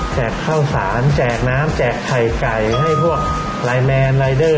จักข้าวสารจักน้ำจักไข่ไก่ให้พวกไลน์แยนไลน์ดิน